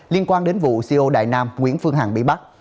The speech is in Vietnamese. liên quan đến vụ co đại nam nguyễn phương hằng bị bắt